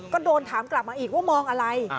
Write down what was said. ก็โดนถามกลับมาอีกว่ามองอะไร